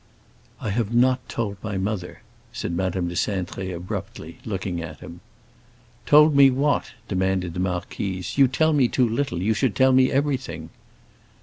"I have not told my mother," said Madame de Cintré abruptly, looking at him. "Told me what?" demanded the marquise. "You tell me too little; you should tell me everything."